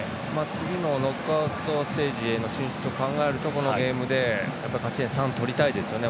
次のノックアウトステージへの進出と考えるとこのゲームで勝ち点３とりたいですよね。